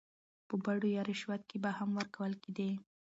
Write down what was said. په بډو يا رشوت کې به هم ورکول کېدې.